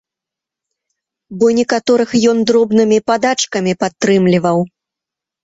Бо некаторых ён дробнымі падачкамі падтрымліваў.